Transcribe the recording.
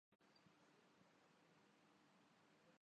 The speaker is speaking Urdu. اب ایک نظر ہماری ایران پالیسی پر۔